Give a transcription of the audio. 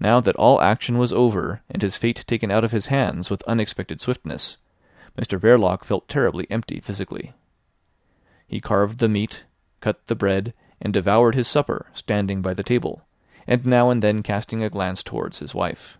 Now that all action was over and his fate taken out of his hands with unexpected swiftness, Mr Verloc felt terribly empty physically. He carved the meat, cut the bread, and devoured his supper standing by the table, and now and then casting a glance towards his wife.